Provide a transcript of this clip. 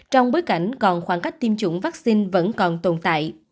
trong bối cảnh còn khoảng cách tiêm chủng vaccine vẫn còn tồn tại